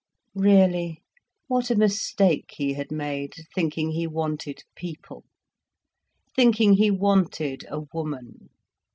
Really, what a mistake he had made, thinking he wanted people, thinking he wanted a woman.